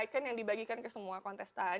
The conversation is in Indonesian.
second yang dibagikan ke semua kontestan